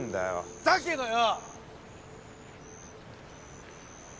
だけどよ！